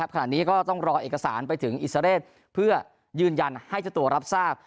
ขณะนี้ก็ต้องรอเอกสารไปถึงอิสราเรศเพื่อยืนยันให้เจ้าตัวรับทราบ